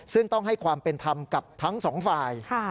ซึ่งต้องให้ความเป็นธรรมกับทั้งสองฝ่าย